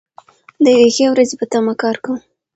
د یوې ښې ورځې په تمه کار کوو.